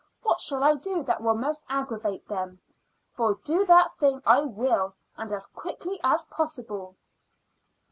What shall I do that will most aggravate them? For do that thing I will, and as quickly as possible."